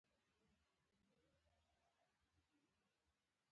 له دې بغاوت وروسته د برتانیې لیکوالو په حیلو او بهانو کار پیل کړ.